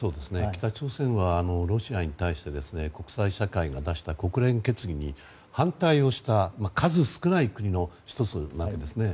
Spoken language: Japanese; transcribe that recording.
北朝鮮はロシアに対して国際社会が出した国連決議に反対をした数少ない国の１つなんですね。